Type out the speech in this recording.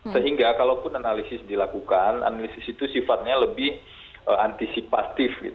sehingga kalaupun analisis dilakukan analisis itu sifatnya lebih antisipatif